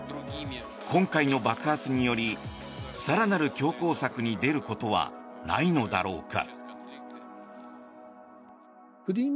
今回の爆発により更なる強硬策に出ることはないのだろうか。